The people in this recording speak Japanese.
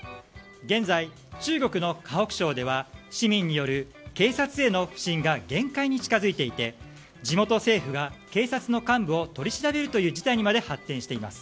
現在、中国の河北省では市民による警察への不信が限界に近づいていて地元政府が警察の幹部を取り調べるという事態にまで発展しています。